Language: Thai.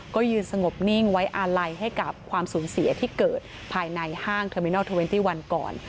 ก็ยืนสงบนิ่งไว้อาลัยให้กับความสูญเสียที่เกิดภายในห้างเทอร์มินอลเทอร์เวนตี้วันก่อน